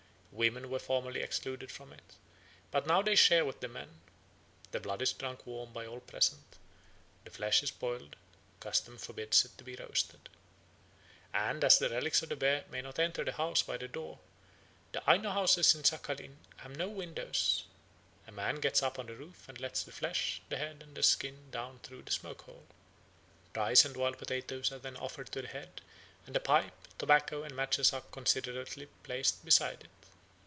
Women were formerly excluded from it, but now they share with the men. The blood is drunk warm by all present; the flesh is boiled, custom forbids it to be roasted. And as the relics of the bear may not enter the house by the door, and Aino houses in Saghalien have no windows, a man gets up on the roof and lets the flesh, the head, and the skin down through the smoke hole. Rice and wild potatoes are then offered to the head, and a pipe, tobacco, and matches are considerately placed beside it.